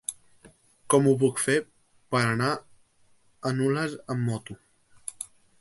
Com ho puc fer per anar a Nules amb moto?